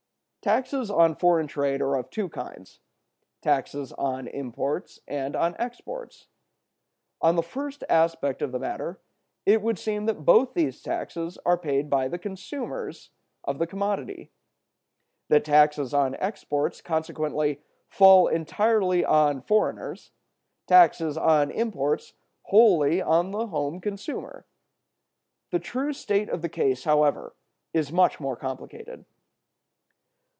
Taxes on foreign trade are of two kinds—taxes on imports and on exports. On the first aspect of the matter it would seem that both these taxes are paid by the consumers of the commodity; that taxes on exports consequently fall entirely on foreigners, taxes on imports wholly on the home consumer. The true state of the case, however, is much more complicated.